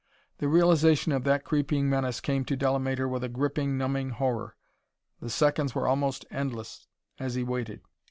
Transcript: The realization of that creeping menace came to Delamater with a gripping, numbing horror. The seconds were almost endless as he waited.